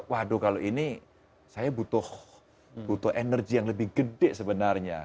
waduh kalau ini saya butuh energi yang lebih gede sebenarnya